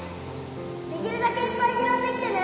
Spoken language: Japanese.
できるだけいっぱい拾ってきてね